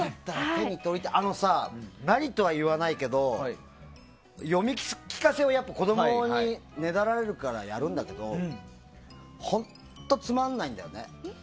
あのさ、何とは言わないけど読み聞かせを子供にねだられるからやるんだけど本当、つまらないんだよね。